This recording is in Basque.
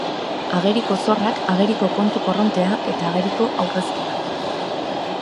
Ageriko zorrak, ageriko kontu korrontea, eta ageriko aurrezkia.